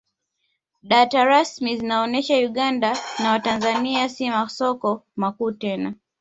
Data rasmi zinaonesha Uganda na Tanzania si masoko makuu tena